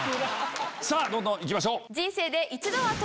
どんどん行きましょう！